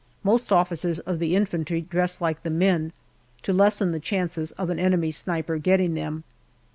Most officers of the infantry dress like the men, to lessen the chances of an enemy sniper getting them.